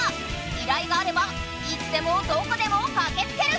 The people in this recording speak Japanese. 依頼があればいつでもどこでもかけつける！